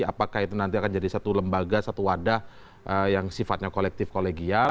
apakah itu nanti akan jadi satu lembaga satu wadah yang sifatnya kolektif kolegial